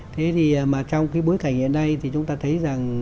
thế thì mà trong cái bối cảnh hiện nay thì chúng ta thấy rằng